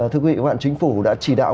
thưa quý vị hoàn chính phủ đã chỉ đạo